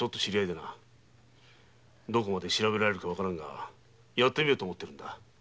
どこまで調べられるかわからんがやってみようと思ってるんだ。